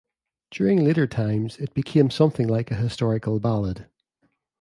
During later times, it became something like a historical ballad.